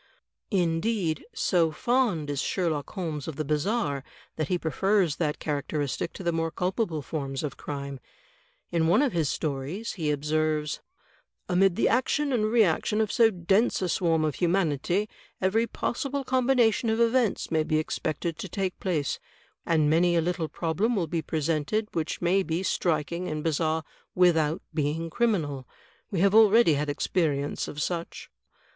Indeed, so fond is Sherlock Holmes of the bizarre that he prefers that characteristic to the more culpable forms of crime. In one of his stories he observes: "Amid the action and reaction of so dense a swarm of humanity, every possible combination of events may be expected to take place, and many a little problem wiU be presented which may be striking and bizarre without being criminal. We have already had experience of such."